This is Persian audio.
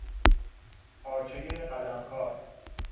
پارچهی قلمکار